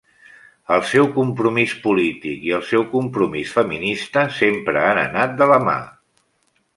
El seu compromís polític i el seu compromís feminista sempre han anat de la mà.